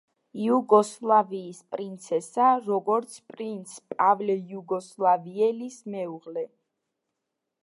იუგოსლავიის პრინცესა როგორც პრინც პავლე იუგოსლავიელის მეუღლე.